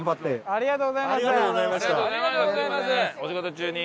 ありがとうございます。